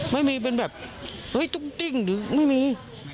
ไม่มีเป็นแบบเฮ้ยตุ้งติ้งไม่มี